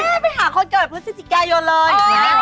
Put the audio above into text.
ไปหาคนเกิดพฤศจิกายนเลย